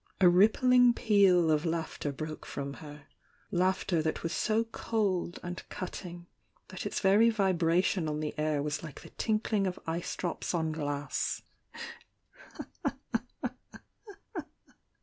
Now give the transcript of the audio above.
A rippling peal of laughter broke from her— laugh ter that was so cold and cutting that its very vibra tion on the air was like the tinkling of ice drops on glass.